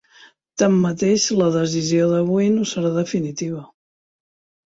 Tanmateix, la decisió d’avui no serà definitiva.